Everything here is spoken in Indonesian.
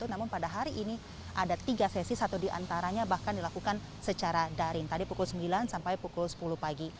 namun pada hari ini ada tiga sesi satu diantaranya bahkan dilakukan secara daring tadi pukul sembilan sampai pukul sepuluh pagi